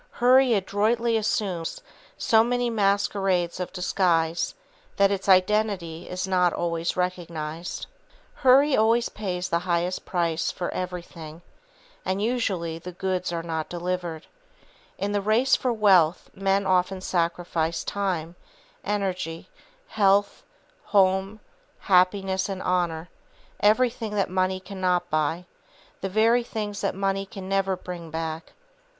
Hurry adroitly assumes so many masquerades of disguise that its identity is not always recognized. Hurry always pays the highest price for everything, and, usually the goods are not delivered. In the race for wealth men often sacrifice time, energy, health, home, happiness and honor, everything that money cannot buy, the very things that money can never bring back.